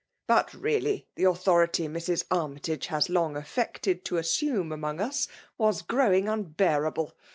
But teatly the authority Mrs. Armytage has long affected to assume among us, was growing unbearable.